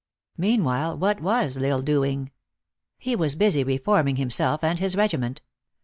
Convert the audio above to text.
Meanwhile, what was L Isle doing ? lie was busy reforming himself and his regiment.